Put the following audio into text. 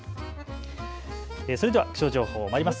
それでは気象情報まいります。